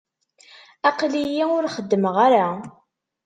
Aql-iyi ur xeddmeɣ ara.